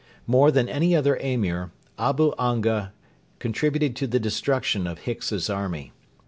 More than any other Emir, Abu Anga contributed to the destruction of Hicks's army.